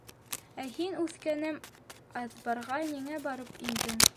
— Ә һин, үҫкәнем, аҙбарға ниңә барып индең?